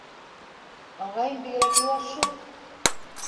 Ағайым бигерәк йыуаш шул.